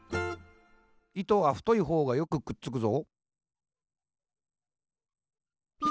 「糸は、太いほうがよくくっつくぞ。」